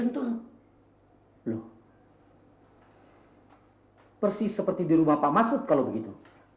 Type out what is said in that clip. loh persis seperti di rumah pak masud kalau begitu